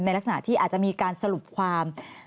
ลักษณะที่อาจจะมีการสรุปความ